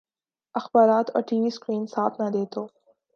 اخبارات اور T V screen ساتھ نہ دے تو